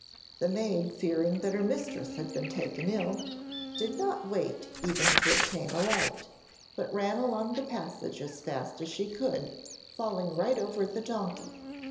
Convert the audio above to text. The maid, fearing that her mistress had been taken ill, did not wait even to obtain a light, but ran along the passage as fast as she could, falling right over the donkey.